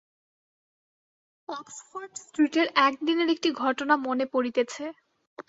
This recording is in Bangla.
অক্সফোর্ড স্ট্রীটের একদিনের একটি ঘটনা মনে পড়িতেছে।